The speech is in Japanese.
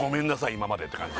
今までって感じ